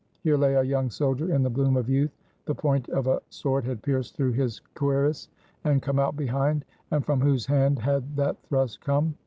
Here lay a young soldier in the bloom of youth, the point of a sword had pierced through his cuirass and come out behind; and from whose hand had that thrust come?